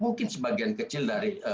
mungkin sebagian kecil dari